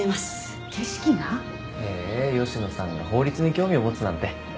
へえ吉野さんが法律に興味を持つなんて。